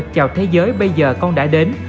chào thế giới bây giờ con đã đến